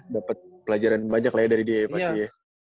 dapat pelajaran banyak lah ya dari dia ya pasti ya